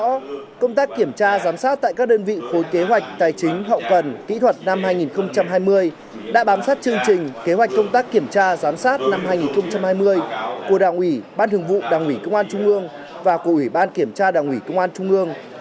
trước đó công tác kiểm tra giám sát tại các đơn vị khối kế hoạch tài chính hậu cần kỹ thuật năm hai nghìn hai mươi đã bám sát chương trình kế hoạch công tác kiểm tra giám sát năm hai nghìn hai mươi của đảng ủy ban thường vụ đảng ủy công an trung ương và của ủy ban kiểm tra đảng ủy công an trung ương